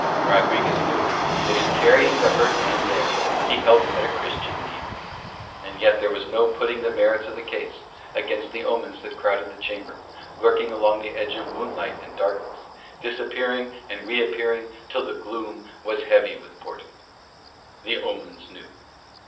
Rodriguez knew that in carrying the hurt man there he helped at a Christian deed; and yet there was no putting the merits of the case against the omens that crowded the chamber, lurking along the edge of moonlight and darkness, disappearing and reappearing till the gloom was heavy with portent. The omens knew.